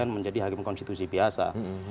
menjadi hakim konstitusi biasa